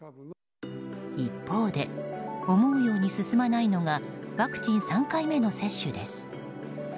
一方で、思うように進まないのがワクチン３回目の接種です。